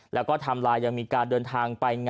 แล้วก็ทำลายยังมีการเดินทางไป